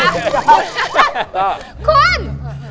ต้องเก่ง